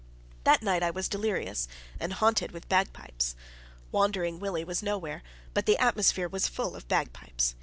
That night I was delirious, and haunted with bagpipes. Wandering Willie was nowhere, but the atmosphere was full of bagpipes.